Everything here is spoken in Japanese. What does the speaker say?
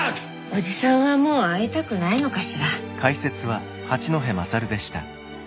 おじさんはもう会いたくないのかしら。